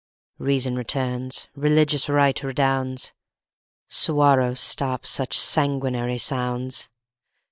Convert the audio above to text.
Reason returns, religious right redounds, Suwarrow stops such sanguinary sounds.